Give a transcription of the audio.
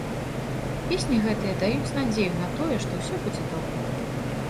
Песні гэтыя даюць надзею на тое, што ўсё будзе добра.